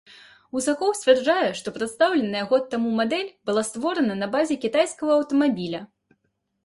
Гусакоў сцвярджае, што прадстаўленая год таму мадэль была створана на базе кітайскага аўтамабіля.